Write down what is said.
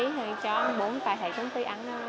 thì cho ăn bún tại thịt công ty ăn